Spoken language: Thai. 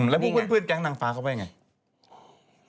แล้วพวกเพื่อนแก๊งหนังฟ้าเข้าไปยังไง